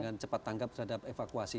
dengan cepat tanggap terhadap evakuasi